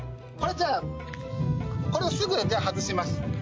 これじゃあこれをすぐじゃあ外します。